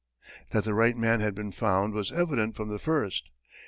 That the right man had been found was evident from the first.